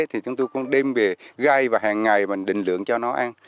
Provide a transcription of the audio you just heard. thì chúng tôi cũng đem về gai và hàng ngày mình định lượng cho nó ăn